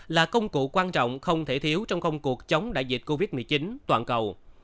là công cụ quan trọng không thể thiếu trong công cuộc chống đại dịch covid một mươi chín toàn cầu